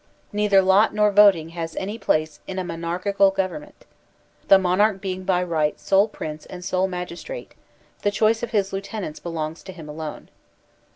Neither lot nor voting has any place in a monarchical government. The monarch being by right sole Prince and sole magistrate, the choice of his lieutenants belongs to him alone.